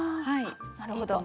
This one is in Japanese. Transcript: なるほど。